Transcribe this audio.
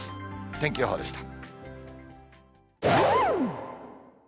天気予報でした。